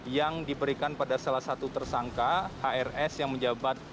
yang diberikan pada salah satu tersangka hrs yang menjabat